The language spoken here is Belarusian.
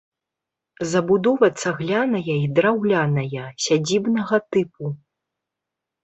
Забудова цагляная і драўляная, сядзібнага тыпу.